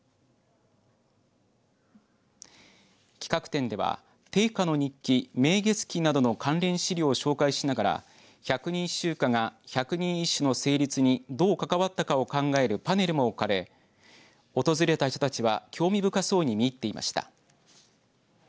企画展では定家の日記明月記などの関連資料を紹介しながら百人秀歌が百人一首の成立にどう関わったかを考えるパネルも置かれ訪れた人たちは興味深そうに見入っていました。